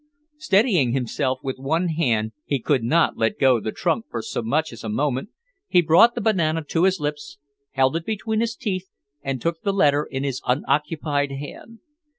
Steadying himself with one hand (he could not let go the trunk for so much as a moment), he brought the banana to his lips, held it between his teeth and took the letter in his unoccupied hand.